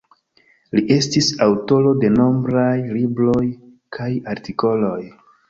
Li estis aŭtoro de nombraj libroj kaj artikoloj.